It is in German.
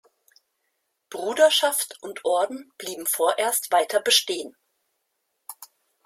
Bruderschaft und Orden blieben vorerst weiter bestehen.